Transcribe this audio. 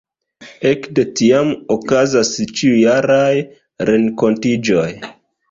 Ekde tiam okazas ĉiujaraj renkontiĝoj.